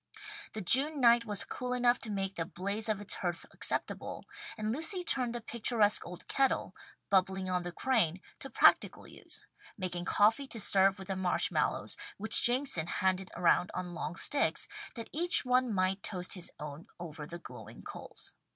The June night was cool enough to make the blaze on its hearth acceptable, and Lucy turned the picturesque old kettle, bubbling on the crane, to practical use, making coffee to serve with the marsh mallows, which Jameson handed around on long sticks, that each one might toast his own over the glowing coals.